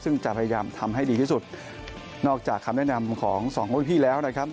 ซึ่งจะพยายามทำให้ดีที่สุดนอกจากคำแนะนำของสองรุ่นพี่แล้วนะครับ